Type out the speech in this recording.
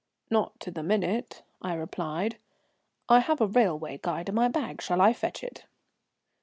"Not to the minute," I replied. "I have a railway guide in my bag, shall I fetch it?"